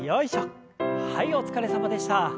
はいお疲れさまでした。